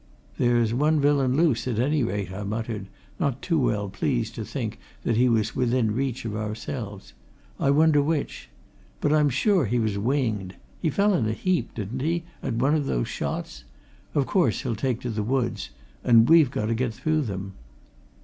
"There's one villain loose, at any rate," I muttered, not too well pleased to think that he was within reach of ourselves. "I wonder which. But I'm sure he was winged he fell in a heap, didn't he, at one of those shots? Of course, he'll take to these woods and we've got to get through them."